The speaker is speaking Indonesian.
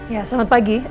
ya selamat pagi